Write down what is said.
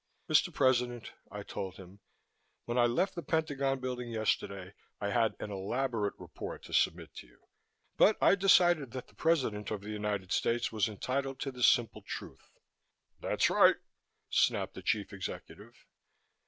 "Mr. President," I told him, "when I left the Pentagon Building yesterday, I had an elaborate report to submit to you. But I decided that the President of the United States was entitled to the simple truth." "That's right!" snapped the Chief Executive.